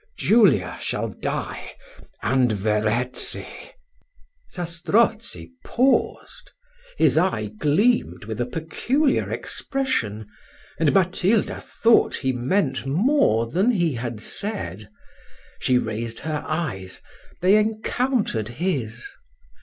Julia shall die, and Verezzi " Zastrozzi paused; his eye gleamed with a peculiar expression, and Matilda thought he meant more than he had said she raised her eyes they encountered his.